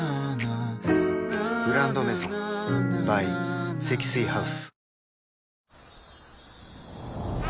「グランドメゾン」ｂｙ 積水ハウス